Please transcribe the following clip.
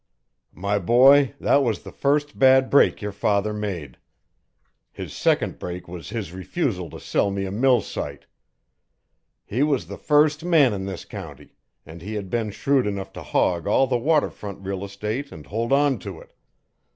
"My boy, that was the first bad break your father made. His second break was his refusal to sell me a mill site. He was the first man in this county, and he had been shrewd enough to hog all the water front real estate and hold onto it.